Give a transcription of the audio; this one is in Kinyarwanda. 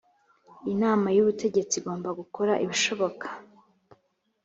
inama y ubutegetsi igomba gukora ibishoboka